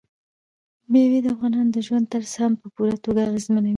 مېوې د افغانانو د ژوند طرز هم په پوره توګه اغېزمنوي.